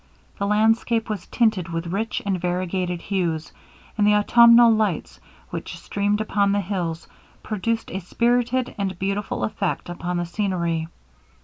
The landscape was tinted with rich and variegated hues; and the autumnal lights, which streamed upon the hills, produced a spirited and beautiful effect upon the scenery.